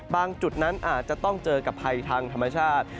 จุดนั้นอาจจะต้องเจอกับภัยทางธรรมชาติ